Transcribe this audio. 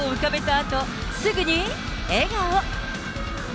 あと、すぐに笑顔。